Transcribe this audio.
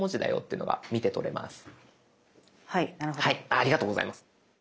ありがとうございます。